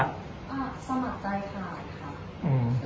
สมัครใจถ่ายค่ะ